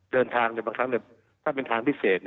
เดินทางแต่บางครั้งเนี่ยถ้าเป็นทางพิเศษ